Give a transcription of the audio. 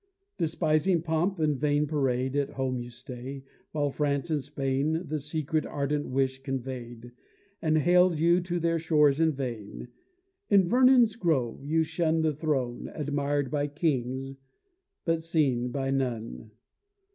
Despising pomp and vain parade, At home you stay, while France and Spain The secret, ardent wish convey'd, And hail'd you to their shores in vain: In Vernon's groves you shun the throne, Admir'd by kings, but seen by none.